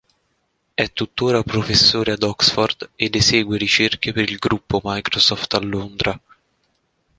È tuttora professore ad Oxford ed esegue ricerche per il gruppo Microsoft a Londra.